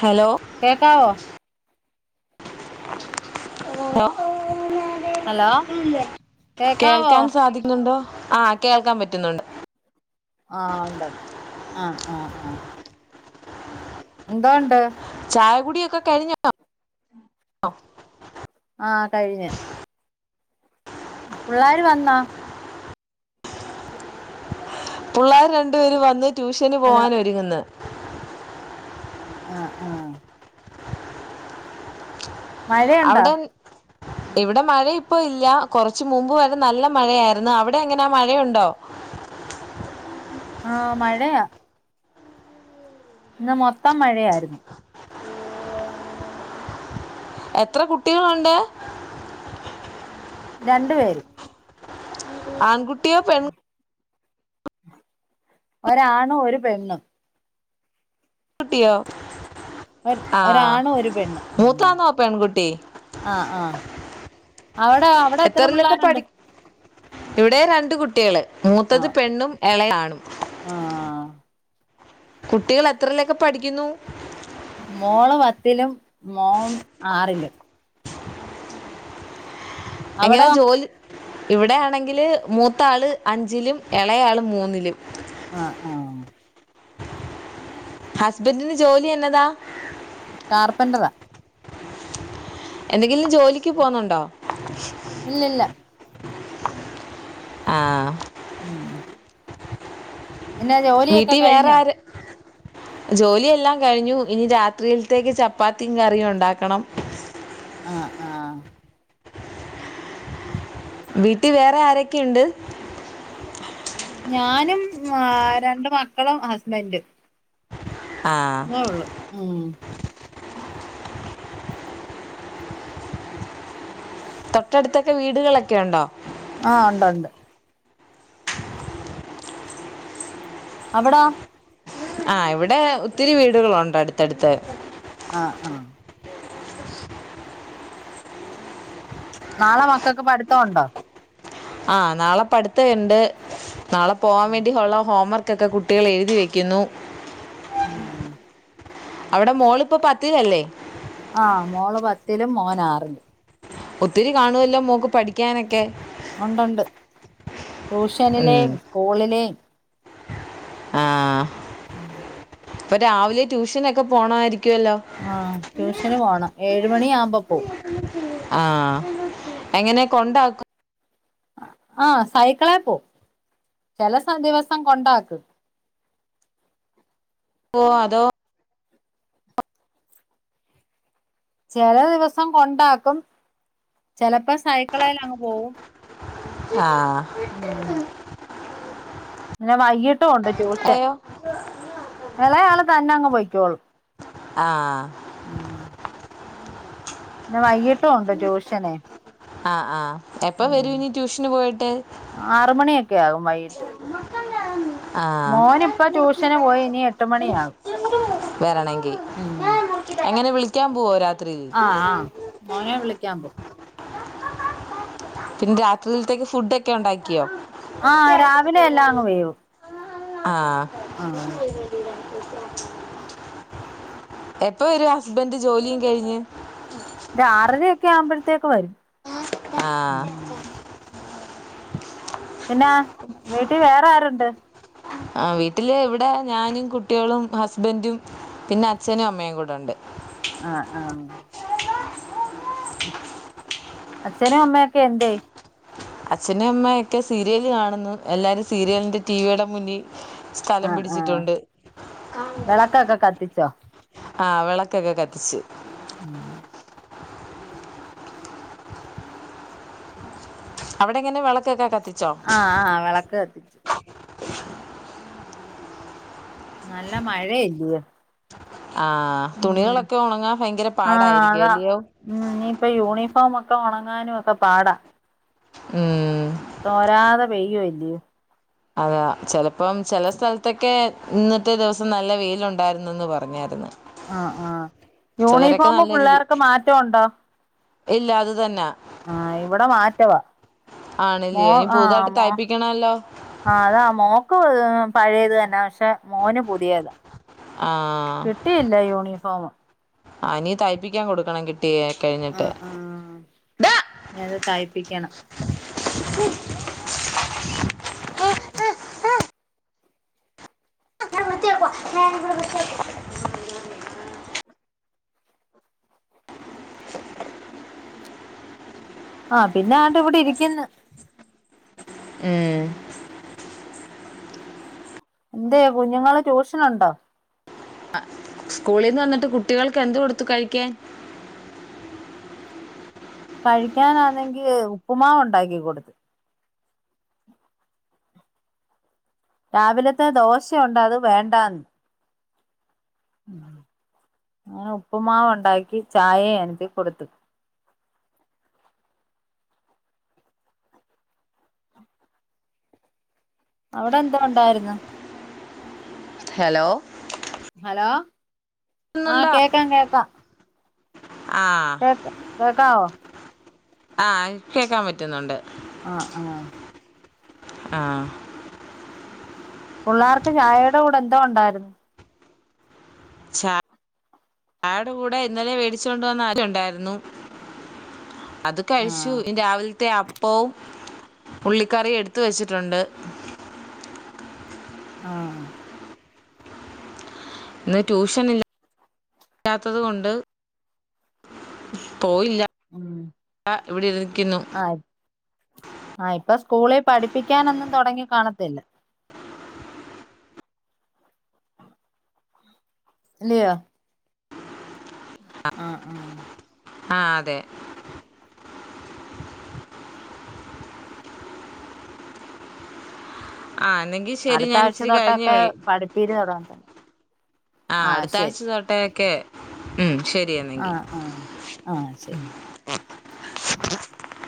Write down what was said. Hello കേക്കാവോ ഉോ hello കേക്കാവോ കേൾക്കാൻ സാധിക്കുന്നുണ്ടോ ആ കേൾക്കാൻ പറ്റുന്നുണ്ട് ആ ഒണ്ടണ്ട് ആ ആ ആ എന്താ ഒണ്ട് ചായകുടിയൊക്കെ കഴിഞ്ഞോ [unintelligible] ആ കഴിഞ്ഞ് പുള്ളര് വന്നാ പുള്ളാര് രണ്ടുപേര് വന്ന് ട്യൂഷന് അല്ല പോവാനൊരുങ്ങുന്ന് ആ ആ മഴണ്ടോ അവിടെ ഇവിടെ മഴ ഇപ്പോ ഇല്ല കൊറച്ച മുമ്പ് വരെ നല്ല മഴയായിരുന്നു അവിടെ എങ്ങനെ മഴയുണ്ടോ ആ മഴയാ ഇന്ന് മൊത്തം മഴയായിരുന്നു എത്ര കുട്ടികളൊണ്ട്? രണ്ട് പേര്. ആകുട് ട്ടിയോ പെൺ ഒരാണും ഒരു പെണ്ണും. ട്ടിയോ? ഒര് ഒരാണും ഒരു പെണ്ണും മ് മൂത്താന്നോ പെൺകുട്ടി ആ ആ അവടെ അവടെ എത്ര എത്രയിലൊക്കെ പിള്ളാരുണ്ട്? പഠി ഇവിടെ രണ്ട് കുട്ടികള്. മൂത്തത് പെണ്ണും എളെളാണും. ആ കുട്ടികൾ എത്രയലൊക്കെ പഠിക്കുന്നു. മോള് പത്തിലും മോൻ ആറിലും. എങ്ങനാ അവിടോ ജോല് ഇവിടെയാണെങ്കില് മൂത്താള് അഞ്ചിലും എളയാള് മൂന്നിലും. ആ ആ ഹസ്ബൻഡിന് ജോലി എന്നതാ? കാർപെന്ററാ. എനി ങ്കിലും ജോലിക്ക് പോന്നുണ്ടോ? ഇല്ലില്ല ആ മ് എന്ന ജോലിയൊക്കെ വീട്ടിൽ വേറെ കഴിഞ്ഞോ? ആര് ജോലിയെല്ലാം കഴിഞ്ഞു ഇനി രാത്രിയിൽത്തേക്ക് ചപ്പാത്തിയും കറിയും ഒണ്ടാക്കണം. ആ ആ വീട്ടിൽ വേറെ ആരൊക്കെയുണ്ട്. ഞാനും ആ രണ്ട് മക്കളും ഹസ്ബൻ്റും. ആ നള്ളു മ് തൊട്ടടുത്തൊക്കെ വീടുകളൊക്കെ ഒണ്ടോ? ആ ഒണ്ട് ഒണ്ട്. അവിടോ? ആ ഇവിടെ ഒത്തിരി വീടുകളുണ്ട് അടുത്തടുത്ത്. ആ ആ നാളെ മക്കക്ക് പഠിത്തം ഒണ്ടോ? ആ നാളെ പഠിത്തിണ്ട്. നാളെ പോവാൻ വേണ്ടി ഹോള്ള ഹോംവർക്ക് ഇതൊക്കെ കുട്ടികൾ എഴുതി വെക്കുന്നു. ആ അവടെ മോളിപ്പോ പത്തിലല്ലേ? ആ മോള് പത്തിലും മോനാറിലും. ഒത്തിരി കാണുവല്ലോ മോക്ക് പഠിക്കാനൊക്കെ ഉണ്ടണ്ട് ട്യൂഷനിലെ സ്കൂളിലേം ആഹ് ഇപ്പൊ രാവിലെ ട്യൂഷനക്കെ പോണയിരി ആഹ് ട്യൂഷന് പോണം ഏഴ് മണി ആവുമ്പോ പോവും ആഹ് എങ്ങനെ കൊണ്ടാക്ക് ആഹ് സൈക്കിളെ പോ ചെലെ ദിവസം കൊണ്ടക്ക് ഓ അതോ ചില ദിവസം കൊണ്ടാക്കും ചെലപ്പോ സൈക്കിളെലങ്ങ് പോവും ആഹ് ന്നെ വൈകീ ണ്ട് ട്യൂക്ഷൻ അയ്യോ ഇളയാള് തന്നെ അങ്ങ് പോയി [unintelligible] ആഹ് ഉം ന വൈയി ആഹ് ആഹ് എപ്പ വരൂ ഉം ഇനി ട്യൂഷന് പോയിട്ട് ക്കെ ആകും വൈകിട്ട് ആ മോനി ഇപ്പോ ട്യൂഷന് പോയി ഇനി എട്ട മണിയ കും ഉം കാൻ പോവോ ര ആഹ് ആഹ് മോനെ വിളി ക്യാമ്പു പിന്നെ രാത്രിയിലത്തേക്ക് ഫുഡ് ഒക്കെ ഉണ്ടാക്കിയോ ആഹ് രാവിലെ എല്ലാം അങ്ങ് വേവും ആ ആ എപ്പൊ വരും ഹസ്ബന്ഡ് ജോലിയും കഴിഞ്ഞ് ഒരുഅറാരേ ക്കെ ആവുമ്പോഴത്തേക്കെ വരും ആഹ് ഉം പിന്നാ വീട്ടിൽ വേറെ ആരുണ്ട് ആ വീട്ടില് ഇവിടെ ഞാനും കുട്ടികളും ഹസ്ബൻറും പിന്നെ അച്ഛനും അമ്മയും കൂടെ ഉണ്ട് ആഹ് ആഹ് അച്ഛനും അമ്മൊക്കെ എന്തെ അച്ഛനും അമ്മ ഒക്കെ സീരിയല് കാണുന്നു എല്ലാരും സീരിയലിന്റെ ടിവിയുടെ മുന്നിൽ സ്ഥലം ആഹ ആഹ പിടിച്ചിട്ടുണ്ട് വെളക്കൊക്കെ കത്തിച്ചോ ആ വിളക്കൊക്കെ കത്തിച്ച് ഉം അവിടെ എങ്ങനെ വിളക്ക് ഒക്കെ കത്തി ആഹ് ആ വിളക്ക് കത്തിച്ചു നല്ല മഴ ഇല്ലയേ ആഹ തുണികളൊക്കെ ഉണങ്ങാ ഭയങ്കര ആഹ് പാടായിരിക്കുവ അതാ അല്ലിയോ ഉം ഇനിയിപ്പ യൂണിഫോം ഒക്കെ ഉണങ്ങാനും ഒക്കെ പാടാ ഉം തോരാതെ പെയുയി അ അതാ ചല അപ്പം ചില സ്ഥലത്തൊക്കെ ഇന്നത്തെ ദിവസം നല്ല വെയിലുണ്ടായിരുന്നുെന്ന് പറഞ്ഞായിരുന്നു ആ ആ ചിലരൊക്കെ യൂണിഫോമ നല്ല രീതി പിള്ളേർക്ക് മാറ്റംണ്ടോ ഇല്ല അത് തന്നെ ആഹ ഇവിടെ മാറ്റവാ മോ ആണല്ലയോ ഇനി ആഹ് പുതുതായിട്ട് മോ തയ്പ്പിക്കണല്ലോ ആഹ് അതാ മോക്ക് പഴയത് തന്നെ പക്ഷെ മോന് പുതിയതാ ആ കിട്ടിയില്ല യൂണിഫോം ആ നീ തഴ്പിക്കാൻ കൊടുക്കണം കിട്ടി കുട്ടിയ കഴിഞ്ഞിട്ട് ഞത് തയ്പ്പിക്കണം ഉ ഉ ഞാൻ വൃത്തിയാക്കുവാ ഞാൻ ഇവിടെ വൃത്തിയാക്കുവാ ആഹ പിന്നെ ആട്ട ഇവിടെ ഇരിക്കുന്നു ഏഹ് എന്ത കുഞ്ഞുങ്ങള് ട്യൂഷൻുണ്ടോ സ്കൂളിൽ നിന്ന് വന്നിട്ട് കുട്ടികൾക്ക് എന്ത് കൊടുത്തു കഴിക്കാൻ കഴിക്കാനാണെങ്കി ഉപ്പുമാവ് ഉണ്ടാക്കി കൊടുത്ത് രാവിലത്തെ ദോശയുണ്ട അത് വേണ്ടാന്ന് ങ്ങനെ ഉപ്പുമാവ് ഉണ്ടാക്കി ചായ എനിക്ക് കൊടുത്തു അവിടെ എന്താ ഉണ്ടായിന്ന് ഹലോ ഹലോ ആഹ് ന്നുണ്ടോ കേക്കാം കേക്കാം ആ കേക്ക കേക്കാവ ആഹ കേക്കാൻ പറ്റും പറ്റുന്നുണ്ട് ആ ആ ആഹ പിള്ളേർക്ക് ചായയുടെ കൂടെ എന്തോ ഉണ്ടായിരുന്നു ച ചായടെ കൂടെ ഇന്നലെ വേടിച്ചോണ്ട വന്ന ആര ഉണ്ടായിരുന്നു അത് ആ കഴിച്ചു ഇ രാവിലത്തെ അപ്പവും ഉള്ളിക്കറി എടുത്ത വെച്ചിട്ടുണ്ട് ആ ഇന്ന് ട്യൂഷൻ ഇല്ലാല്ലാത്തത് കൊണ്ട് പോയില്ല ഉം ഇവിടെ ഇരിക്കുന്നു ആ ആ ഇപ്പൊ സ്കൂളിൽ പഠിപ്പിക്കാനൊന്നും തുടങ്ങി കാണത്തില്ല ലയ ആ ഉം ആ അതെ ആ എന്നെങ്കിൽ ശരി അടുത്ത ഞാൻ ആഴ്ച ഇച്ചിരി കഴിഞ്ഞ് തൊട്ടൊക്കെ വിളി പഠിപ്പീരി തുറ ആ ശരി ക്കെ ഉം ആ ശരിയന്നെങ്കിൽ ആ ആ ശരി അ അ